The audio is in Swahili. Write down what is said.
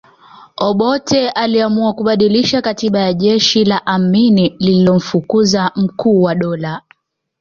Obote iliamua kubadilisha katiba na jeshi la Amini lilimfukuza Mkuu wa Dola